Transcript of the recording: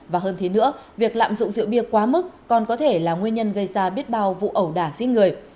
và hơn thế nữa việc lạm dụng rượu bia quá mức còn có thể là nguyên nhân gây ra biết bao vụ ẩu đả giết người